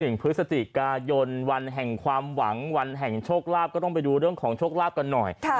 พฤศจิกายนวันแห่งความหวังวันแห่งโชคลาภก็ต้องไปดูเรื่องของโชคลาภกันหน่อย